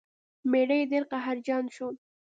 میړه یې ډیر قهرجن شو.